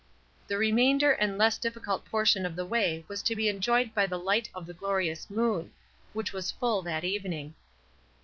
The remainder and less difficult portion of the way was to be enjoyed by the hght of the glorious moon, which was full that evening.